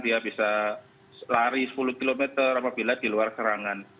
dia bisa lari sepuluh km apabila di luar serangan